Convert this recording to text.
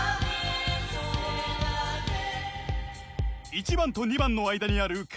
［１番と２番の間にある間奏部分］